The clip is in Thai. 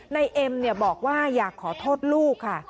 เอ็มบอกว่าอยากขอโทษลูกค่ะ